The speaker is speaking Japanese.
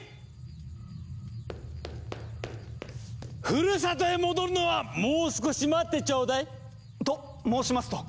ふるさとへ戻るのはもう少し待ってちょうだい！と申しますと？